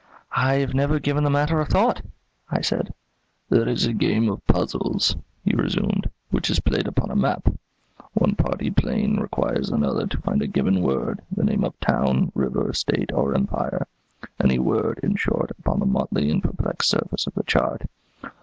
"I have never given the matter a thought," I said. "There is a game of puzzles," he resumed, "which is played upon a map. One party playing requires another to find a given word, the name of town, river, state, or empire, any word, in short, upon the motley and perplexed surface of the chart.